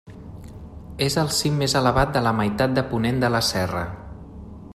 És el cim més elevat de la meitat de ponent de la serra.